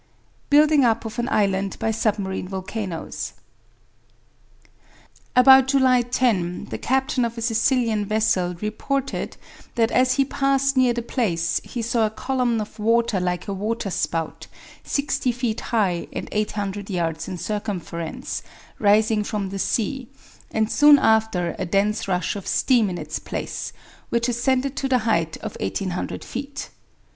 BUILDING UP OF AN ISLAND BY SUBMARINE VOLCANOES About July 10, the captain of a Sicilian vessel reported that as he passed near the place he saw a column of water like a waterspout, sixty feet high, and 800 yards in circumference, rising from the sea, and soon after a dense rush of steam in its place, which ascended to the height of 1,800 feet.